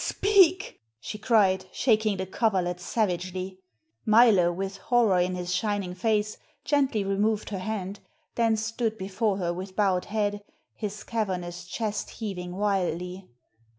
"Speak!" she cried, shaking the coverlet savagely. Milo, with horror in his shining face, gently removed her hand, then stood before her with bowed head, his cavernous chest heaving wildly.